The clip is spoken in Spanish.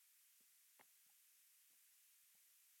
Willy Aranguren.